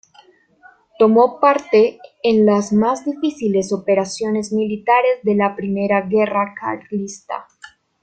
Tomó parte en las más difíciles operaciones militares de la Primera Guerra Carlista.